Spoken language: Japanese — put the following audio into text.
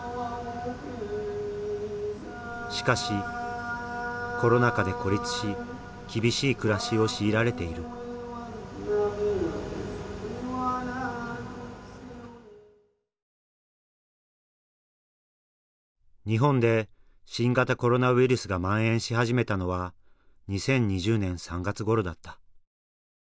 しかしコロナ禍で孤立し厳しい暮らしを強いられている日本で新型コロナウイルスがまん延し始めたのは２０２０年３月ごろだった。